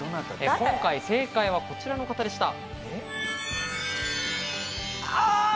今回、正解はこちらの方でした。